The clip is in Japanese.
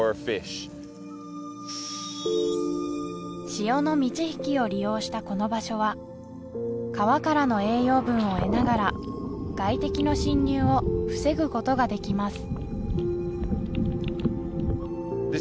潮の満ち干きを利用したこの場所は川からの栄養分を得ながら外敵の侵入を防ぐことができます